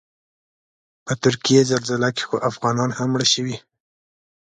په ترکیې زلزله کې خو افغانان هم مړه شوي.